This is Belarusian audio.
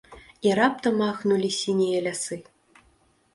І раптам ахнулі сінія лясы!